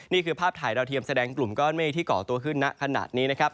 นี่คือภาพถ่ายดาวเทียมแสดงกลุ่มก้อนเมฆที่เกาะตัวขึ้นณขณะนี้นะครับ